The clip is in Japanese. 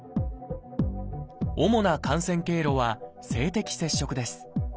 主な感染経路は「性的接触」です。